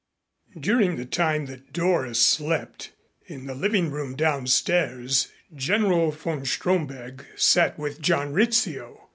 During the time that Doris slept, in the living room downstairs General von Stromberg sat with John Rizzio.